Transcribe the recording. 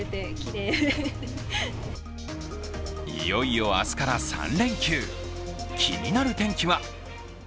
いよいよ明日から３連休気になる天気は？